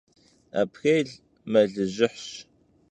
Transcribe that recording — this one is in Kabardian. Aprêl melıjıhş.